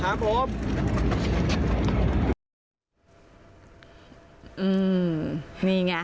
อืมนี่ไง